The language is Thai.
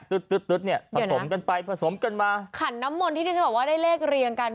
ตึ๊ดเนี่ยผสมกันไปผสมกันมาขันน้ำมนที่ที่ฉันบอกว่าได้เลขเรียงกัน